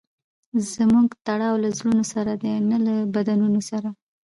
زموږ تړاو له زړونو سره دئ؛ نه له بدنونو سره.